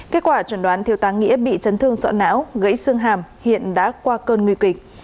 kết quả chuẩn đoán thiếu tá nghĩa bị chấn thương sọ não gãy xương hàm hiện đã qua cơn nguy kịch